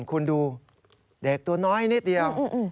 คุณดูเด็กตัวน้อยนิดเดียว